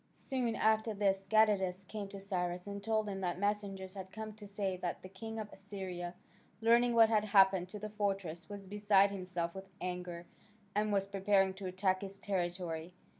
Soon after this Gadatas came to Cyrus and told him that messengers had come to say that the king of Assyria, learning what had happened to the fortress, was beside himself with anger, and was preparing to attack his territory.